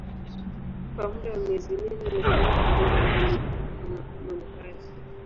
Kwa muda wa miezi minne Nehemia aliomba kuhusu mambo hayo.